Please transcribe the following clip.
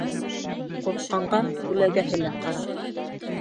Курҡҡанға күләгәһе лә ҡараҡ.